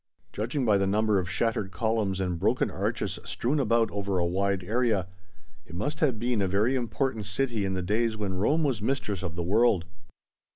Judging by the number of shattered columns and broken arches strewn about over a wide area, it must have been a very important city in the days when Rome was mistress of the world.